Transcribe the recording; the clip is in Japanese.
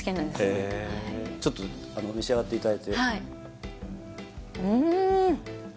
へえちょっと召し上がっていただいてはい